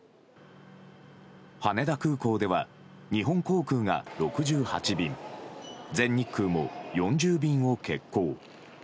羽田空港では、日本航空が６８便全日空も４０便を欠航。